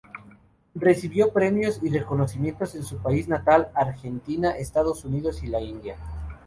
Recibió premios y reconocimientos en su país natal, Argentina, Estados Unidos y la India.